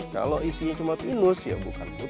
kalau isinya cuma pinus ya bukan